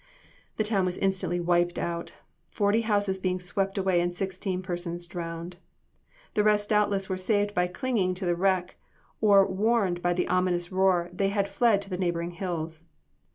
The town was instantly "wiped out," forty houses being swept away and sixteen persons drowned. The rest doubtless were saved by clinging to the wreck; or warned by the ominous roar, they had fled to the neighboring hills.